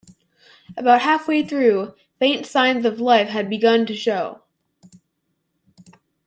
About half-way through, faint signs of life had begun to show.